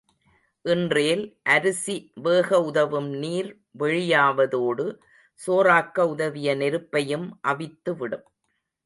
இன்றேல் அரிசி வேகஉதவும் நீர் வெளியாவதோடு, சோறாக்க உதவிய நெருப்பையும் அவித்துவிடும்.